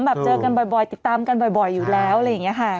แบบเจอกันบ่อยติดตามกันบ่อยอยู่แล้วอะไรอย่างนี้ค่ะ